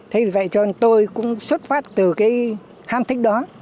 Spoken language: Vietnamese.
thì vậy cho tôi cũng xuất phát từ cái ham thích đó